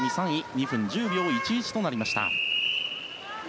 ２分１０秒１１となりました。